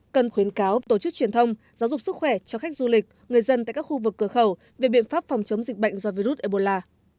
cần khuyến cáo tổ chức truyền thông giáo dục sức khỏe cho khách du lịch người dân tại các khu vực cửa khẩu về biện pháp phòng chống dịch bệnh do virus ebola